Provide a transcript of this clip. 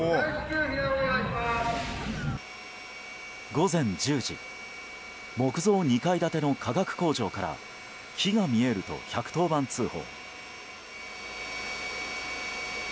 午前１０時木造２階建ての化学工場から火が見えると、１１０番通報。